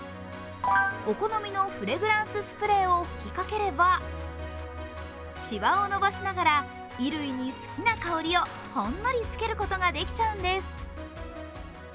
お好みのフレグランススプレーを吹きかければしわを伸ばしながら衣類に好きな香りをほんのりつけることができちゃうんです。